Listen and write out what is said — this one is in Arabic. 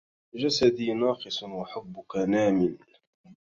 جسدي ناقص وحبك نام